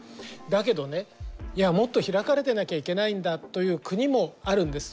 だけどねいやもっと開かれてなきゃいけないんだという国もあるんです。